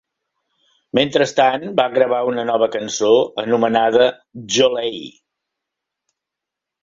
Mentrestant, va gravar una nova cançó anomenada Djolei!